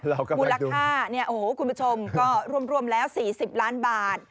มูลราคาโอ้โฮคุณผู้ชมก็รวมแล้ว๔๐ล้านบาท